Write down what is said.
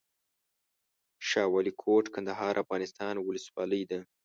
شاه ولي کوټ، کندهار افغانستان ولسوالۍ ده